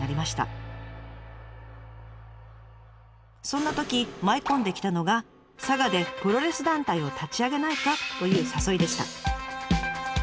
そんなとき舞い込んできたのが佐賀でプロレス団体を立ち上げないかという誘いでした。